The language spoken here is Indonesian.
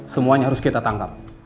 semuanya harus kita tangkap